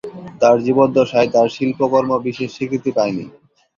তার জীবদ্দশায় তার শিল্পকর্ম বিশেষ স্বীকৃতি পায়নি।